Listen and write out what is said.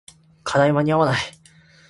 課題間に合わない